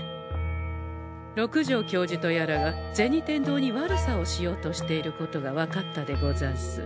六条教授とやらが銭天堂に悪さをしようとしていることが分かったでござんす。